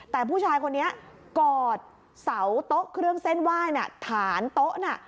แต่ผู้ชายคนนี้กอดเส้นไหว้ฐานโต๊ะน่ะ